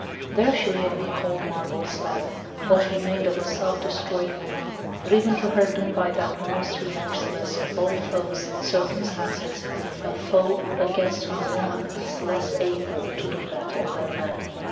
There she lay on the cold marble slab, what remained of a self destroyed woman, driven to her doom by that most remorseless of all foes, circumstances, a foe against whom woman is less able to do battle than man.